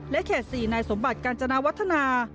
และเขตสี่ในสมบัติการจนาวัฒนา